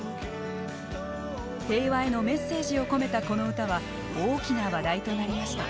平和へのメッセージを込めたこの歌は大きな話題となりました。